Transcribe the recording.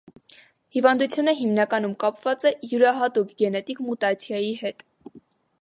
Հիվանդությունը հիմնականում կապված է յուրահատուկ գենետիկ մուտացիայի հետ։